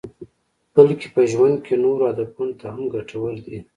بلکې په ژوند کې نورو هدفونو ته هم ګټور دي.